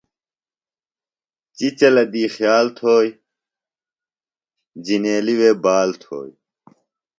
چِچلہ دی خیال تھوئیۡ، جِنیلیۡ وے بال تھوئی